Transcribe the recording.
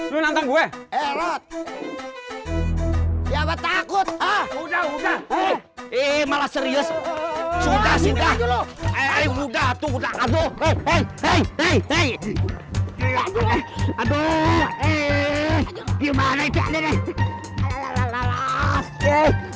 lu nantang gue takut malah serius sudah sudah